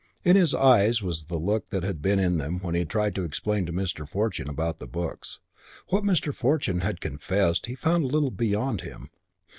In his eyes was the look that had been in them when he had tried to explain to Mr. Fortune about the books, what Mr. Fortune had confessed he found a little beyond him.